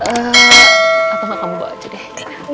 eee atau mah kamu bawa aja deh